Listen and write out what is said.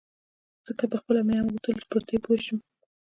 ځکه پخپله مې هم غوښتل چې پر دې پوی شم.